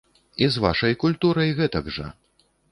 І з вашай культурай гэтак жа.